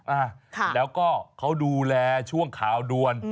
อ่าแล้วก็เขาดูแลช่วงข่าวด่วน